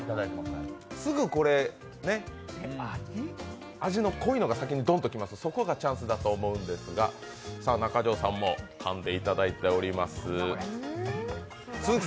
すぐこれ、味の濃いのが先にドンと来まして、そこがチャンスだと思うんですが、中条さんもかんでいただいております。